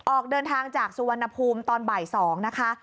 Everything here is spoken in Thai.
ออกเดินทางจากสุวรรณภูมิตอนบ่าย๒นะคะ